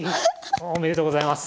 おめでとうございます。